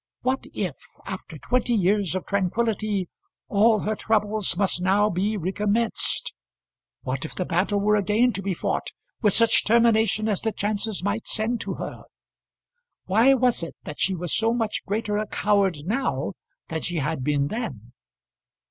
What, if after twenty years of tranquillity all her troubles must now be recommenced? What if the battle were again to be fought, with such termination as the chances might send to her? Why was it that she was so much greater a coward now than she had been then?